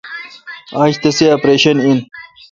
آج تسی اپریشن این ۔